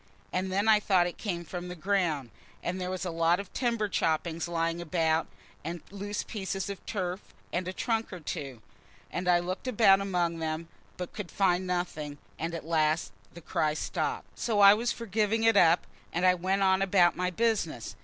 And then I thought it came from the ground; and there was a lot of timber choppings lying about, and loose pieces of turf, and a trunk or two. And I looked about among them, but could find nothing, and at last the cry stopped. So I was for giving it up, and I went on about my business.